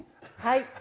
はい。